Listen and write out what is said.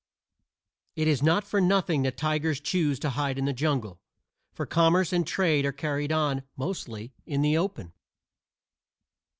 It is not for nothing that tigers choose to hide in the jungle, for commerce and trade are carried on, mostly, in the open.